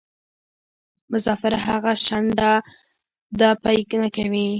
مسافره هغه شڼډه ده پۍ نکوي.